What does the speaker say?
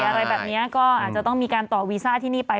อะไรแบบนี้ก็อาจจะต้องมีการต่อวีซ่าที่นี่ไป